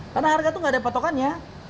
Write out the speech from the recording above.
karena harga itu gak ada potokannya